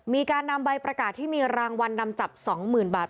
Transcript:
มีการนำใบประกาศที่มีรางวัลนำจับ๒๐๐๐บาท